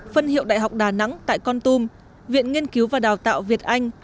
phân hiệu đại học đà nẵng tại con tum viện nghiên cứu và đào tạo việt anh